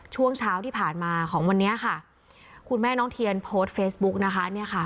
ช่วงเช้าที่ผ่านมาของวันนี้ค่ะคุณแม่น้องเทียนโพสต์เฟซบุ๊กนะคะเนี่ยค่ะ